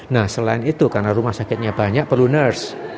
nah selain itu karena rumah sakitnya banyak perlu ners